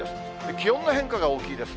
気温の変化が大きいです。